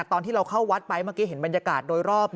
ตอนที่เราเข้าวัดไปเมื่อกี้เห็นบรรยากาศโดยรอบ